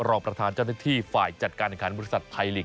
รองประธานเจ้าหน้าที่ฝ่ายจัดการแข่งขันบริษัทไทยลีก